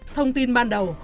thông tin ban đầu